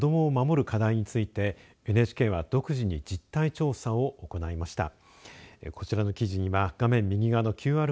虐待から子どもを守る課題についてＮＨＫは独自に実態調査を行いました。